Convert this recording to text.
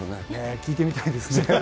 聞いてみたいですね。